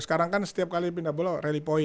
sekarang kan setiap kali pindah bola rally point